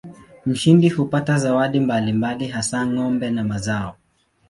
Mshindi hupata zawadi mbalimbali hasa ng'ombe na mazao.